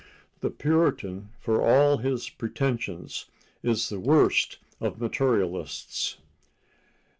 The Puritan, for all his pretensions, is the worst of materialists.